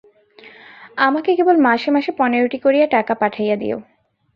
আমাকে কেবল মাসে মাসে পনেরোটি করিয়া টাকা পাঠাইয়া দিয়ো।